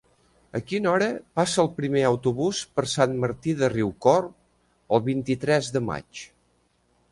A quina hora passa el primer autobús per Sant Martí de Riucorb el vint-i-tres de maig?